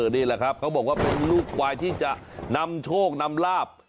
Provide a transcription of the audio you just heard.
นี่แหละครับเขาบอกว่าเป็นลูกควายที่จะนำโชคนำลาบ